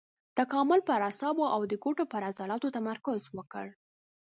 تکامل پر اعصابو او د ګوتو پر عضلاتو تمرکز وکړ.